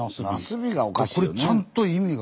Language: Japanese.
これちゃんと意味が。